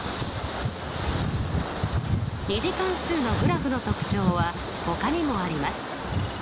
２次関数のグラフの特徴はほかにもあります。